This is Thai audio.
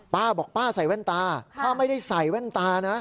ป้าบอกป้าใส่แว่นตาถ้าไม่ได้ใส่แว่นตานะ